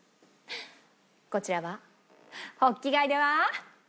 こちらはホッキ貝では。